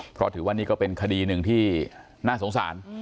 เพราะถือว่านี่ก็เป็นคดีหนึ่งที่น่าสงสาร